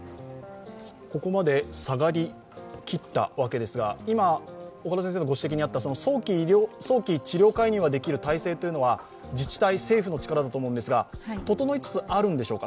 ここまで下がりきったわけですが、早期治療介入ができる体制というのは自治体、政府の力だと思うんですが整いつつあるのでしょうか？